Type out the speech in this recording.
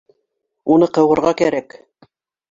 Уны ҡыуырға кәрәк